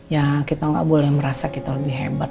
ya kita nggak boleh merasa kita lebih hebat